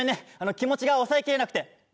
気持ちが抑えきれなくて。